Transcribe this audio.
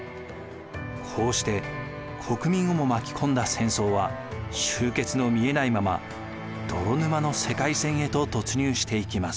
こうして国民をも巻き込んだ戦争は終結の見えないまま泥沼の世界戦へと突入していきます。